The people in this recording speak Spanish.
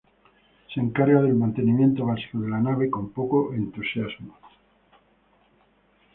Se encarga del mantenimiento básico de la nave con poco entusiasmo.